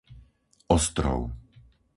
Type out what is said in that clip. Ostrov